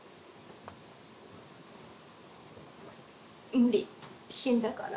「無理死んだから」